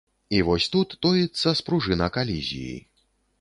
І вось тут тоіцца спружына калізіі.